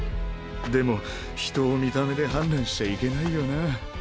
でも人を見た目で判断しちゃいけないよな。